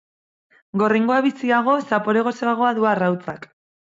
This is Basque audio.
Gorringoa biziago, zapore gozoagoa du arrautzak.